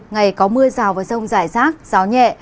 ngày có mưa rào và rông rải rác gió nhẹ